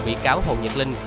vị cáo hồ nhật linh